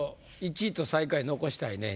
１位と最下位残したいね。